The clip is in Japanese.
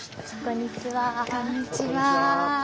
こんにちは。